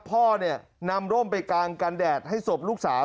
พ่อนำร่มไปกางกันแดดให้สบลูกสาว